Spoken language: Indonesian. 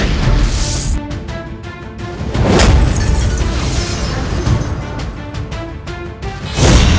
yang harus kau tienekin